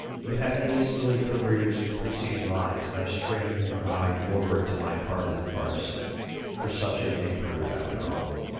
You have hastily perused the preceding lines, and are straining your eye forward to my part of the farce; for such it may prove, after all.